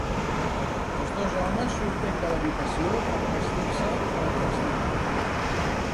Els dos homes surten de l'habitació per a vestir-se per al festival.